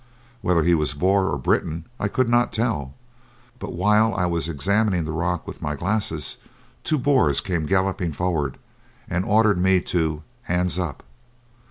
Whether he was Boer or Briton I could not tell, but while I was examining the rock with my glasses two Boers came galloping forward and ordered me to "hands up."